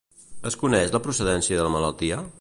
Es coneix la procedència de la malaltia?